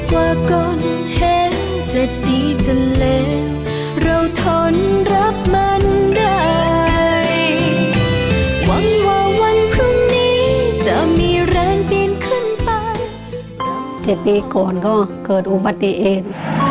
เวลา๗ปีก่อนก็เกิดอุปัติอีท